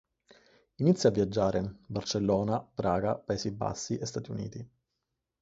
Inizia a viaggiare: Barcellona, Praga, Paesi Bassi e Stati Uniti.